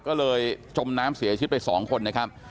ก็เลยจมน้ำเสียชีวิตไป๒คนนะครับ